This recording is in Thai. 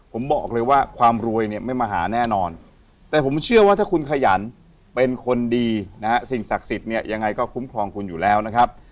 ผมบอกเลยว่าความรวยเนี่ยไม่มาหาแน่นอนแต่ผมเชื่อว่าถ้าคุณขยันเป็นคนดีนะฮะสิ่งศักดิ์สิทธิ์เนี่ยยังไงก็คุ้มครองคุณอยู่แล้วนะครับ